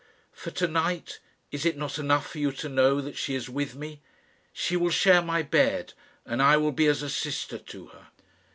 For to night, is it not enough for you to know that she is with me? She will share my bed, and I will be as a sister to her."